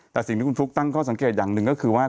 แต่สิ่งที่คุณฟลุ๊กตั้งข้อสังเกตอย่างหนึ่งก็คือว่า